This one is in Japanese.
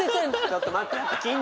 ちょっと待って！